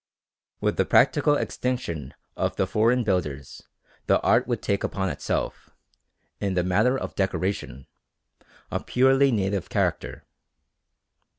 With the practical extinction of the foreign builders the art would take upon itself, in the matter of decoration, a purely native character.